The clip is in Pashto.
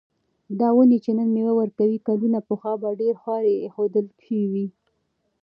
دا ونې چې نن مېوه ورکوي، کلونه پخوا په ډېره خواري ایښودل شوې وې.